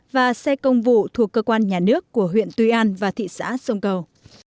và xe công vụ thuộc cơ quan nhà nước của huyện tuy an và thị xã sông cầu